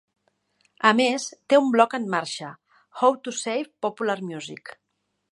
A més, té un bloc en marxa: How To Save Popular Music.